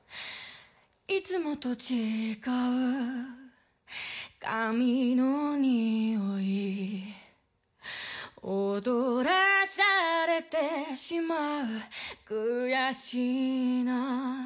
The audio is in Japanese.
いつもと違う髪のにおい踊らされてしまう悔しいな